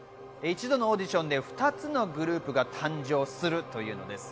一度のオーディションで２つのグループが誕生するというのです。